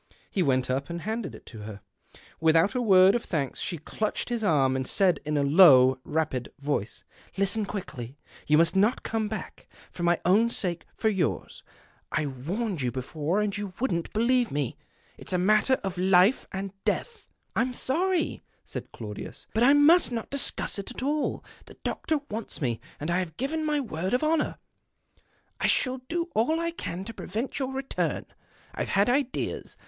He went up and handed it to her. Without a word of thanks she clutched his arm, and said in a low, rapid voice —" Listen quickly. You must not come I tack. For my own sake, for yours. I warned 134 THE OCTAVE OF CLAUDIUS, you before, and you wouldn't believe me. It's a matter of life or death." " I'm sorry," said Claudius, " hut I must not discuss it at all. The doctor wants me, and I have given my word of honour." " I shall do all I can to prevent your return ; I've had ideas.